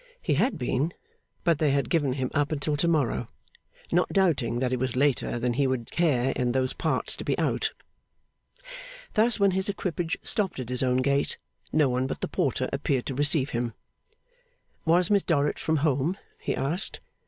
He had been; but they had given him up until to morrow, not doubting that it was later than he would care, in those parts, to be out. Thus, when his equipage stopped at his own gate, no one but the porter appeared to receive him. Was Miss Dorrit from home? he asked.